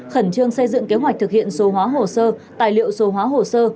khẩn trương xây dựng kế hoạch thực hiện số hóa hồ sơ tài liệu số hóa hồ sơ